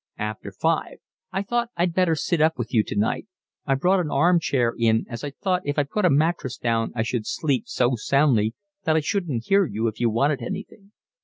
"About five. I thought I'd better sit up with you tonight. I brought an arm chair in as I thought if I put a mattress down I should sleep so soundly that I shouldn't hear you if you wanted anything."